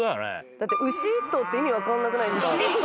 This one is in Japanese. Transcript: だって牛１頭って意味分かんなくないですか？